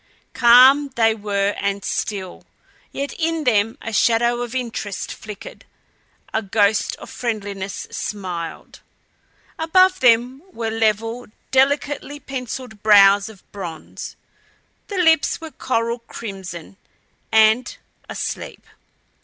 Calm they were and still yet in them a shadow of interest flickered; a ghost of friendliness smiled. Above them were level, delicately penciled brows of bronze. The lips were coral crimson and asleep.